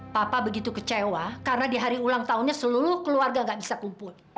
papa begitu kecewa karena di hari ulang tahunnya seluruh keluarga gak bisa kumpul